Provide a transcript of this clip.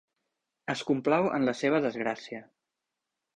Es complau en la seva desgràcia.